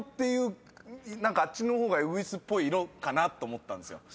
何かあっちの方がウグイスっぽい色かなと思ったんですよ。